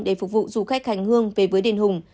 để phục vụ du khách hành hương về với đền hùng